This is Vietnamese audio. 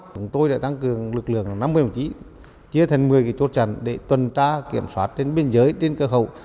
chúng tôi đã tăng cường lực lượng năm mươi kg chia thành một mươi chốt chắn để tuần tra kiểm soát trên biên giới trên cơ khẩu